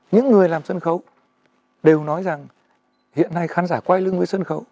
những người làm sân khấu đều nói rằng hiện nay khán giả quay lưng với sân khấu